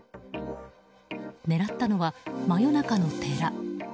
狙ったのは、真夜中の寺。